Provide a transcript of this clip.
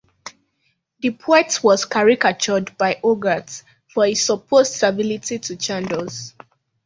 The poet was caricatured by Hogarth for his supposed servility to Chandos.